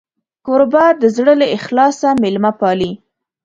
کوربه د زړه له اخلاصه میلمه پالي.